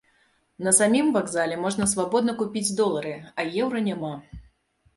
На самім вакзале можна свабодна купіць долары, а еўра няма.